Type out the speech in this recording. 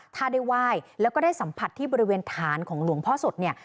ถ้าได้ไหว้แล้วก็ได้สัมผัสที่บริเวณฐานของหลวงพ่อสดเนี่ย